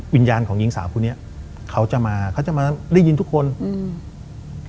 วิญญาณของหญิงสาวคนนี้เขาจะมาเขาจะมาได้ยินทุกคนอืม